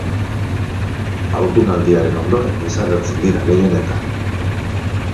Haurdunaldiaren ondoren desagertzen dira gehienetan.